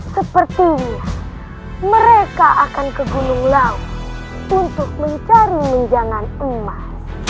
sepertinya mereka akan ke gunung laut untuk mencari menjangan emas